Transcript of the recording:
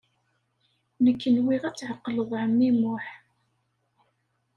Nekk nwiɣ ad tɛeqleḍ ɛemmi Muḥ.